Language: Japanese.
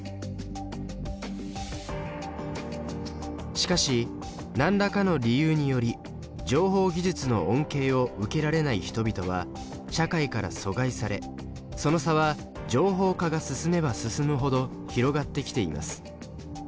しかし何らかの理由により情報技術の恩恵を受けられない人々は社会から疎外されその差は情報化が進めば進むほど広がってきています。